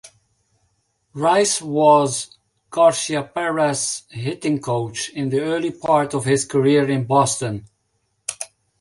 Rice was Garciaparra's hitting coach in the early part of his career in Boston.